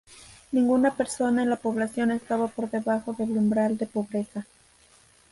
Ninguna persona en la población estaba por debajo del umbral de pobreza.